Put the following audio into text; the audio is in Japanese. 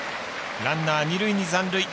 ランナー、二塁に残塁。